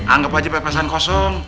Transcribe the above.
anggep aja pepesan kosong